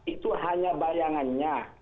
itu hanya bayangannya